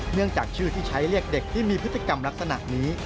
จากชื่อที่ใช้เรียกเด็กที่มีพฤติกรรมลักษณะนี้